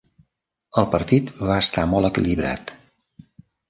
El partit va estar molt equilibrat.